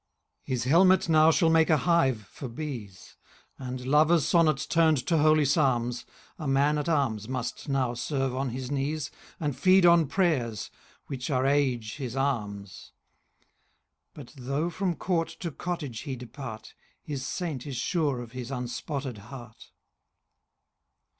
His helmet now shall make a hive for bees; And, lovers' sonnets turn'd to holy psalms, A man at arms must now serve on his knees, And feed on prayers, which are Age his alms: 10 But though from court to cottage he depart, His Saint is sure of his unspotted heart.